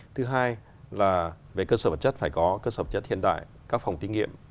thứ hai là về cơ sở vật chất phải có cơ sở vật chất hiện đại các phòng kinh nghiệm